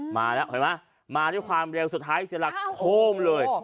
มาแล้วเห็นไหมมาด้วยความเร็วสุดท้ายเสียหลักโคมเลย